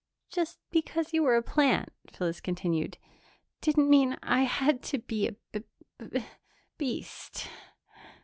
"Just because you were a plant," Phyllis continued, "didn't mean I had to be a b b beast.